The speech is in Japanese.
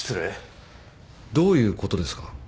どういうことですか？